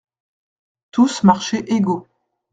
Tous marchaient égaux.